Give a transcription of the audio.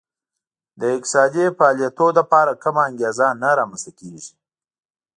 د اقتصادي فعالیتونو لپاره کومه انګېزه نه رامنځته کېږي